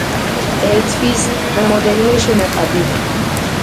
ერთვის რამდენიმე შენაკადი.